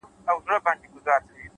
د تجربې حکمت په عمل کې ځلېږي’